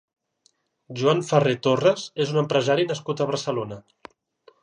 Joan Ferrer Torres és un empresari nascut a Barcelona.